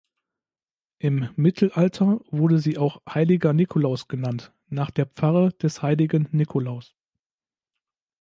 Im Mittelalter wurde sie auch Heiliger Nikolaus genannt, nach der Pfarre des heiligen Nikolaus.